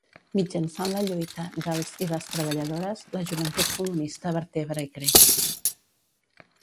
Mitjançant la lluita dels i les treballadores, la Joventut Comunista vertebra i creix.